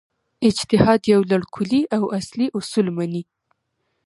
اجتهاد یو لړ کُلي او اصلي اصول مني.